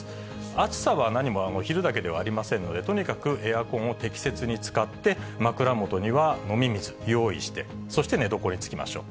暑さはなにも昼だけではありませんので、とにかくエアコンを適切に使って、枕元には飲み水、用意して、そして寝床につきましょう。